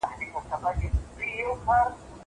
زه مخکي لوښي وچولي وو.